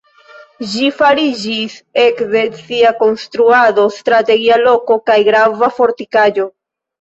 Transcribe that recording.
Ĝi fariĝis ekde sia konstruado strategia loko kaj grava fortikaĵo.